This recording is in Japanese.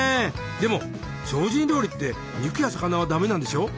でも精進料理って肉や魚はダメなんでしょ？